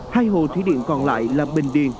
hai hồ thủy điện còn lại là bình điền